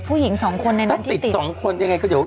ผู้หญิง๒คนในนั้นที่ติดถ้าติด๒คนยังไงก็อยู่